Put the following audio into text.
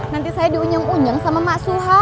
nanti saya diunyeng unyeng sama mak suha